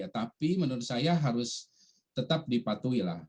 tapi menurut saya harus tetap dipatuhi lah